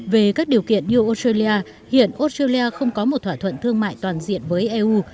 về các điều kiện như australia hiện australia không có một thỏa thuận thương mại toàn diện với eu